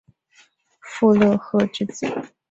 傅勒赫之子。